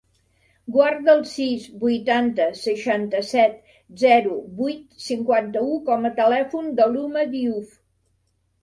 Guarda el sis, vuitanta, seixanta-set, zero, vuit, cinquanta-u com a telèfon de l'Uma Diouf.